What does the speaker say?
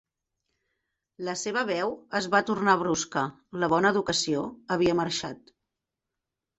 La seva veu es va tornar brusca, la bona educació havia marxat.